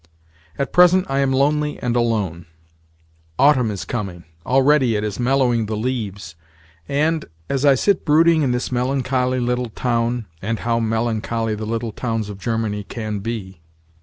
At present I am lonely and alone. Autumn is coming—already it is mellowing the leaves; and, as I sit brooding in this melancholy little town (and how melancholy the little towns of Germany can be!)